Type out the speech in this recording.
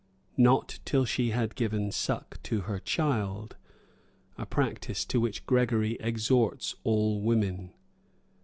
Not till she had given suck to her child; a practice to which Gregory exhorts all women.